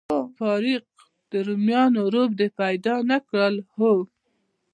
فاروق، د روميانو رب دې پیدا نه کړ؟ هو.